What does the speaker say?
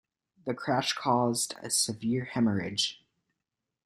The crash caused a severe haemorrhage.